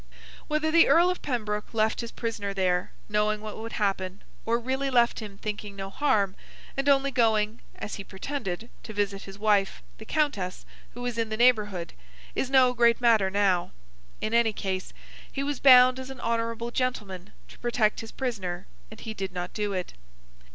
Whether the Earl of Pembroke left his prisoner there, knowing what would happen, or really left him thinking no harm, and only going (as he pretended) to visit his wife, the Countess, who was in the neighbourhood, is no great matter now; in any case, he was bound as an honourable gentleman to protect his prisoner, and he did not do it.